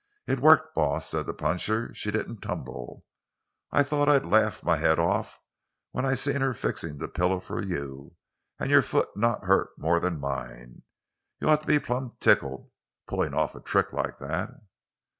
"It worked, boss," said the puncher; "she didn't tumble. I thought I'd laff my head off when I seen her fixin' the pillow for you—an' your foot not hurt more than mine. You ought to be plumb tickled, pullin' off a trick like that!"